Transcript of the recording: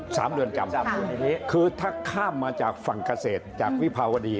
เรือนจำคือถ้าข้ามมาจากฝั่งเกษตรจากวิภาวดี